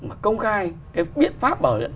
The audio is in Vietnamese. mà công khai cái biện pháp bảo diện